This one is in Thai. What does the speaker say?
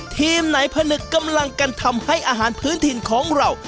ทีมไหนผนึกกำลังกันทำให้อาหารพื้นถิ่นของเรา